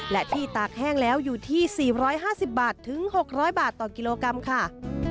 และที่ตากแห้งแล้วอยู่ที่๔๕๐บาทถึง๖๐๐บาทต่อกิโลกรัมค่ะ